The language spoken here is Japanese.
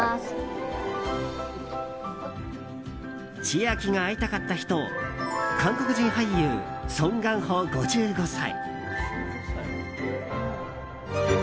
千秋が会いたかった人韓国人俳優ソン・ガンホ、５５歳。